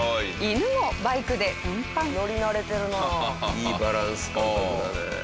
いいバランス感覚だね。